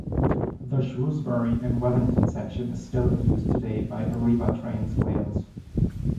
The Shrewsbury and Wellington section is still in use today by Arriva Trains Wales.